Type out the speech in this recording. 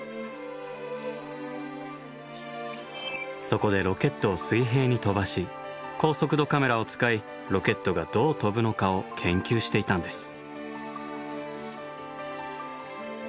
そこでロケットを水平に飛ばし高速度カメラを使いロケットがどう飛ぶのかを研究していたんです。